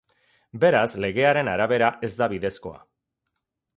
Beraz, legearen arabera ez da bidezkoa.